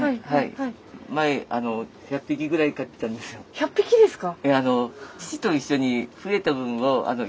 １００匹ですか！？